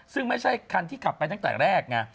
ซึ่งไม่ใช่คันที่ขับไปตั้งแต่แรกไง